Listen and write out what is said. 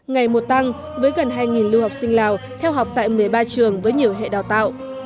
ngày một tăng với gần hai lưu học sinh lào theo học tại một mươi ba trường với nhiều hệ đào tạo